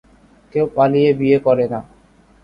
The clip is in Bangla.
‘কেউ পালিয়ে বিয়ে করে না।’